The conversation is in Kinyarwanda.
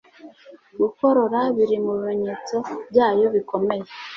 Gukorora biri mu bimenyetso byayo bikomeye.